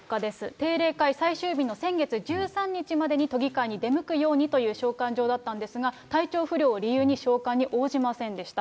定例会最終日の先月１３日までに都議会に出向くようにという召喚状だったんですが、体調不良を理由に、召喚に応じませんでした。